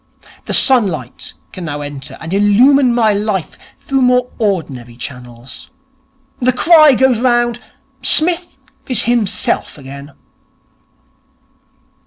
The sunlight can now enter and illumine my life through more ordinary channels. The cry goes round, "Psmith is himself again."'